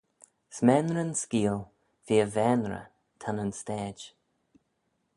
S'maynrey'n skeeal, feer vaynrey ta nyn stayd.